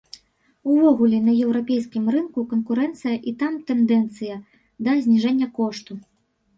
Увогуле на еўрапейскім рынку канкурэнцыя і там тэндэнцыя да зніжэння кошту.